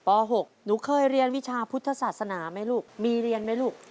ป๖หนูเคยเรียนวิชาพุทธศาสนาไหมลูกมีเรียนไหมลูก